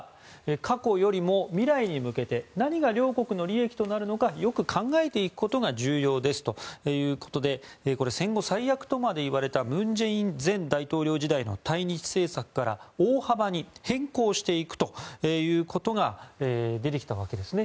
過去よりも未来に向けて何が両国の利益になるのかよく考えていくことが重要ですということでこれは戦後最悪とまで言われた文在寅前大統領時代の対日政策から大幅に変更していくということが出てきたわけですね。